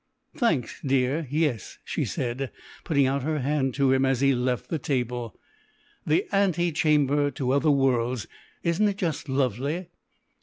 "Thanks, dear, yes," she said, putting out her hand to him as he left the table, "the ante chamber to other worlds. Isn't it just lovely?